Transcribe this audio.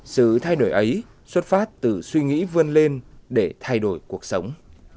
sự thay đổi ấy xuất phát từ suy nghĩ vươn lên để thay đổi cuộc sống